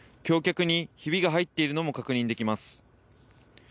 橋脚にひびが入っているのも確認できます。